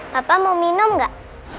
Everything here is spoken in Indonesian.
papa mau minum gak